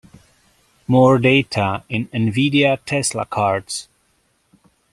More Data in Nvidia Tesla Cards.